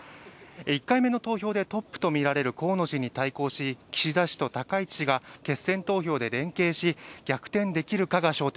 １回目の投票で河野氏に対抗し、岸田氏と高市氏が決選投票で連携し逆転できるかが焦点。